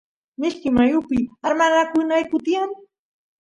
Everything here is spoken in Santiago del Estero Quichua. mishki mayupi armakunayku tiyan